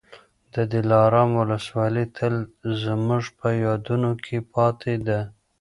د دلارام ولسوالي تل زموږ په یادونو کي پاتې ده.